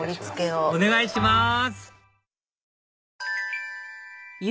お願いします！